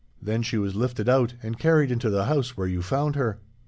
Then she was lifted out, and carried into the house where you found her.